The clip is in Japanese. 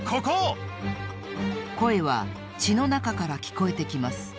こえは血のなかからきこえてきます。